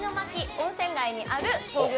温泉街にある創業